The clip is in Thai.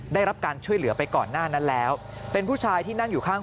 ได้รับการช่วยเหลือไปก่อนหน้านั้นแล้วเป็นผู้ชายที่นั่งอยู่ข้าง